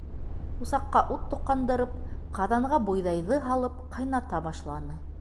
Усаҡҡа ут тоҡандырып, ҡаҙанға бойҙайҙы һалып, ҡайната башланы.